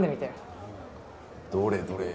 おどれどれ。